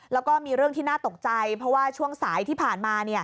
แล้วก็มีเรื่องที่น่าตกใจเพราะว่าช่วงสายที่ผ่านมา